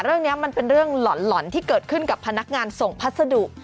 เรื่องนี้มันเป็นเรื่องหล่อนที่เกิดขึ้นกับพนักงานส่งพัสดุ